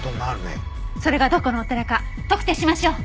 それがどこのお寺か特定しましょう。